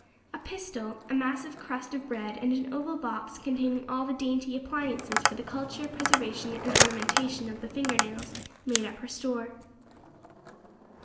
A pistol, a massive crust of bread, and an oval box containing all the dainty appliances for the culture, preservation, and ornamentation of the finger nails, made up her store.